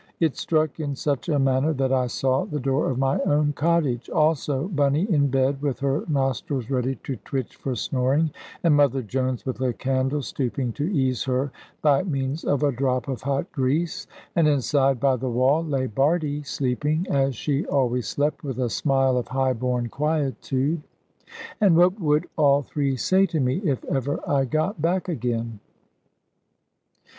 It struck in such a manner, that I saw the door of my own cottage, also Bunny in bed, with her nostrils ready to twitch for snoring, and Mother Jones, with a candle, stooping to ease her by means of a drop of hot grease; and inside, by the wall, lay Bardie, sleeping (as she always slept) with a smile of high born quietude. And what would all three say to me if ever I got back again?